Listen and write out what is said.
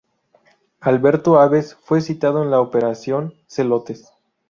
Alberto Alves fue citado en la Operación Zelotes.